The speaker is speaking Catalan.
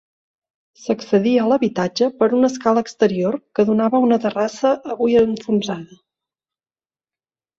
S'accedia a l'habitatge per una escala exterior que donava a una terrassa avui enfonsada.